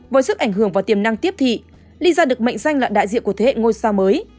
với sức ảnh hưởng và tiềm năng tiếp thị lyza được mệnh danh là đại diện của thế hệ ngôi sao mới